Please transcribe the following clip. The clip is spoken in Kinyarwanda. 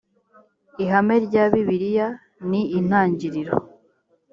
ihame rya bibiliya ni intangiriro